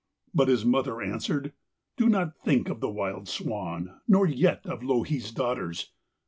But his mother answered: 'Do not think of the wild swan, nor yet of Louhi's daughters.